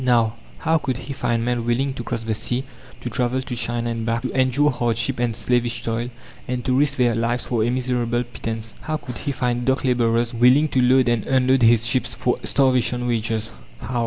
Now, how could he find men willing to cross the sea, to travel to China and back, to endure hardship and slavish toil and to risk their lives for a miserable pittance? How could he find dock labourers willing to load and unload his ships for "starvation wages"? How?